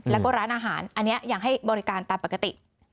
แล้วก็ร้านอาหารอันนี้ยังให้บริการตามปกติ